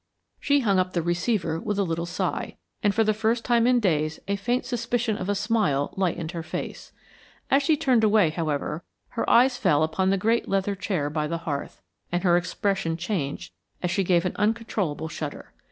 She hung up the receiver with a little sigh, and for the first time in days a faint suspicion of a smile lightened her face. As she turned away, however, her eyes fell upon the great leather chair by the hearth, and her expression changed as she gave an uncontrollable shudder.